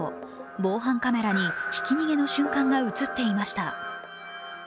防犯カメラにひき逃げの瞬間が映っていました。